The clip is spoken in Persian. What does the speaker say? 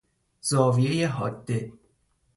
زاویۀ حاده